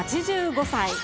８５歳。